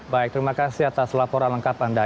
baik terima kasih atas laporan lengkap anda